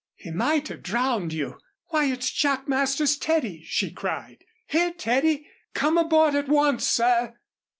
"He might have drowned you. Why, it's Jack Masters' 'Teddy,'" she cried. "Here, Teddy, come aboard at once, sir."